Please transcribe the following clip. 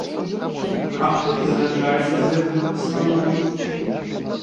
- А хто не згаджаецца з гэткаю пастановаю?